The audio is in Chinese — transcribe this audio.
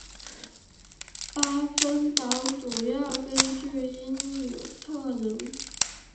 巴芬岛主要居民是因纽特人。